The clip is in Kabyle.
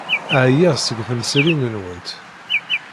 Ɛyiɣ seg temsirin-nwent.